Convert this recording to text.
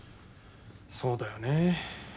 そうだよね。